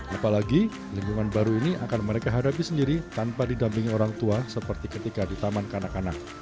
apalagi lingkungan baru ini akan mereka hadapi sendiri tanpa didampingi orang tua seperti ketika di taman kanak kanak